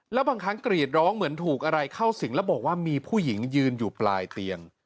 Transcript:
แล้วบางครั้งกรีดร้องเหมือนถูกอะไรเข้าสิงแล้วบอกว่ามีผู้หญิงยืนอยู่ปลายเตียง